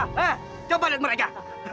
hei coba lihat mereka